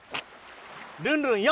ルンルン４。